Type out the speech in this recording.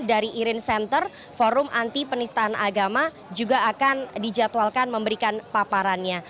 dari irin center forum anti penistaan agama juga akan dijadwalkan memberikan paparannya